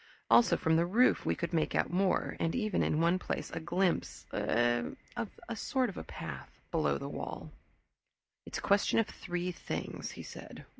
Also from the roof we could make out more, and even, in one place, glimpse a sort of path below the wall. "It's a question of three things," he said.